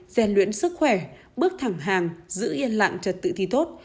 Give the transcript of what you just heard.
gian luyện sức khỏe bước thẳng hàng giữ yên lặng trật tự thì tốt